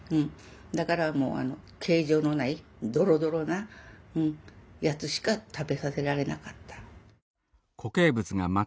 だからもうあの形状のないどろどろなやつしか食べさせられなかった。